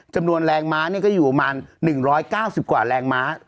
จำนวนแรงม้าก็อยู่ประมาณ๑๙๐กว่าแรงม้า